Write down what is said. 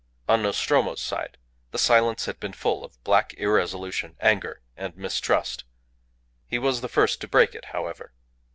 On Nostromo's side the silence had been full of black irresolution, anger, and mistrust. He was the first to break it, however.